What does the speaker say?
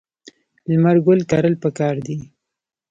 لمر ګل کرل پکار دي.